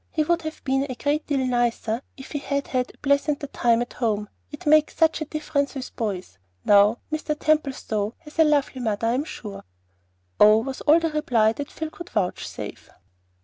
"He would have been a great deal nicer if he had had a pleasanter time at home. It makes such a difference with boys. Now Mr. Templestowe has a lovely mother, I'm sure." "Oh!" was all the reply that Phil would vouchsafe.